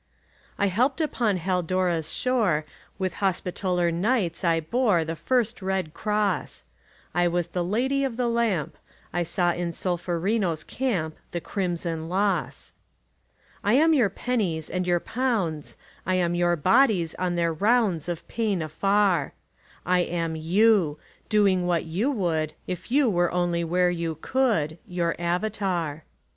I helped upon Haldora's shore; With Hospitaller Knights I bore The first red cross; I was the Lady of the Lamp; I saw in Solferino's camp The crimson loss. 188 AUXILIARIES I am your pennies and your pounds; I am your bodies on their rounds Of pain afar; I am you, doing what you would If you were only where you could —■ Your avatar.